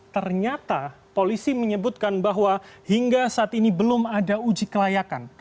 ternyata polisi menyebutkan bahwa hingga saat ini belum ada uji kelayakan